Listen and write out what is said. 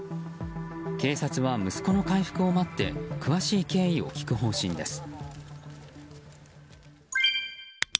警察は、息子の回復を待って詳しい経緯を聴く方針です。